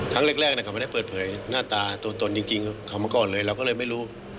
ครั้งแรกเขาไม่ได้เปิดเผยหน้าตาตัวตนจริงเขามาก่อนเลยเราก็เลยไม่รู้